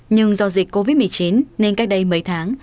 nhưng do dịch covid một mươi chín nên cách đây mấy tháng